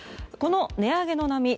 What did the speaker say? この値上げの波